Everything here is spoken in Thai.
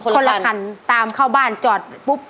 คนละคันตามเข้าบ้านจอดปุ๊บ